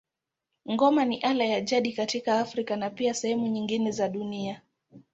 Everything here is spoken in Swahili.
Ngoma ni ala ya jadi katika Afrika na pia sehemu nyingine za dunia.